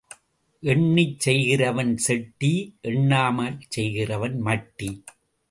எண்ணிச் செய்கிறவன் செட்டி எண்ணாமல் செய்கிறவன் மட்டி.